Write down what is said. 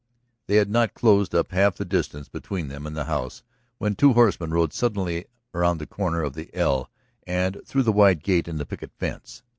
They had not closed up half the distance between them and the house when two horsemen rode suddenly round the corner of the L and through the wide gate in the picket fence.